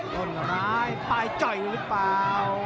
คนร้ายปลายจ่อยหรือเปล่า